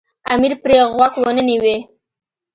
امیر پرې غوږ ونه نیوی.